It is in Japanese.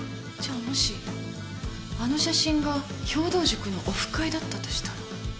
じゃあもしあの写真が兵藤塾のオフ会だったとしたら？